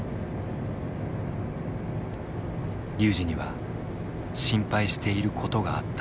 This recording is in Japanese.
龍司には心配していることがあった。